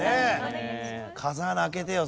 風穴開けてよ